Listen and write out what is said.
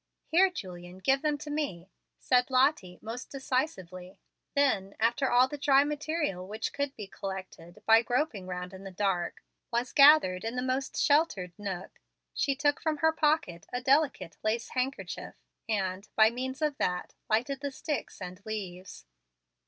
"Here, Julian, give them to me," said Lottie, most decisively. Then, after all the dry material which could be collected, by groping round in the dark, was gathered in the most sheltered nook, she took from her pocket a delicate lace handkerchief, and, by means of that, lighted the sticks and leaves.